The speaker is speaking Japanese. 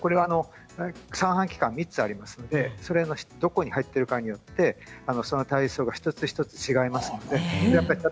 三半規管が３つありますのでそのどこに入っているかによってその体操が一つ一つ違います。